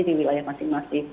di wilayah masing masing